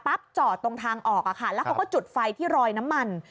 จอดตรงทางออกแล้วเขาก็จุดไฟที่รอยน้ำมัน